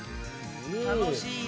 楽しい。